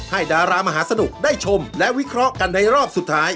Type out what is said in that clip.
ดารามหาสนุกได้ชมและวิเคราะห์กันในรอบสุดท้าย